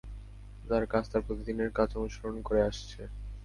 তার কাজ, তার প্রতিদিনের কাজ অনুসরণ করে আসছে।